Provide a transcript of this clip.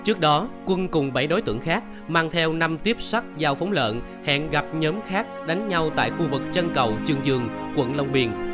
trước đó quân cùng bảy đối tượng khác mang theo năm tiếp sắt giao phóng lợn hẹn gặp nhóm khác đánh nhau tại khu vực trân cầu trường dương quận long biên